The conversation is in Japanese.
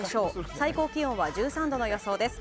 最高気温は１３度の予想です。